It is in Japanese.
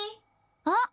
あっ！